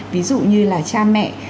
ví dụ như là cha mẹ